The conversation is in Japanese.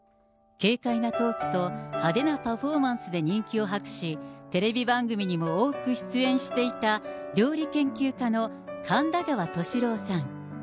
軽快なトークと派手なパフォーマンスで人気を博し、テレビ番組にも多く出演していた、料理研究家の神田川俊郎さん。